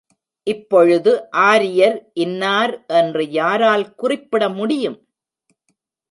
இப்பொழுது ஆரியர் இன்னார் என்று யாரால் குறிப்பிட முடியும்?